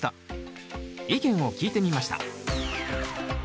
意見を聞いてみました。